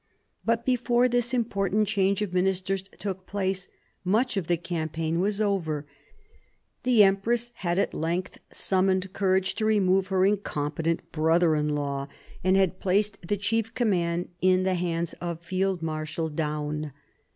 But before this important change of ministers took place, much of the campaign was over. The empress had at length summoned courage to remove her incom petent brother in law, and had placed the chief command 1757 60 THE SEVEN YEARS* WAR 147 in the hands of Field Marshal Daun.